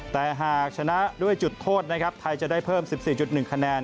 แต่หากชนะด้วยจุดโทษนะครับไทยจะได้เพิ่ม๑๔๑คะแนน